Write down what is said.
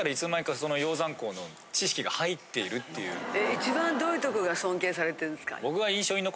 一番どういうとこが尊敬されてるんですか？